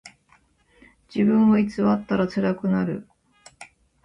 自分を偽ったらつらくなる。